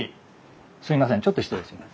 すいませんちょっと失礼します。